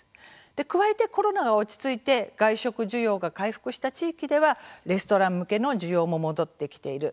加えてコロナが落ち着いて外食需要が回復した地域ではレストラン向けの需要も戻ってきている。